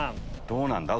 どうなんだ？